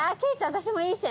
私もいい線。